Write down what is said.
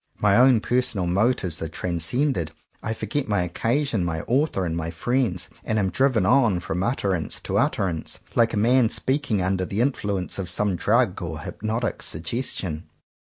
My own personal motives are transcended, I forget my occasion, my author, and my friends, and am driven on from utterance to utter ance, like a man speaking under the in fluence of some drug or hypnotic suggestion.